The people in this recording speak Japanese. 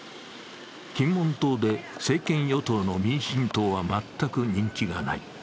金門島で政権与党の民進党は全く人気がない。